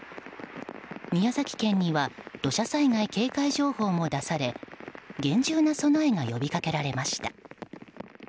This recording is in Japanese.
宮崎県には土砂災害警戒情報も出され厳重な備えが呼び掛けられました。